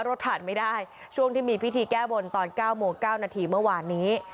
รถผ่านไม่ได้ช่วงที่มีพิธีแก้บนตอน๙โมง๙นาทีเมื่อวานนี้